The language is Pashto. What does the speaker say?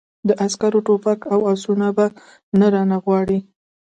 د عسکرو ټوپک او آسونه به نه رانه غواړې!